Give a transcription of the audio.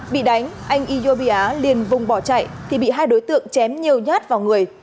bị đánh anh ijon pia liền vùng bỏ chạy thì bị hai đối tượng chém nhiều nhát vào người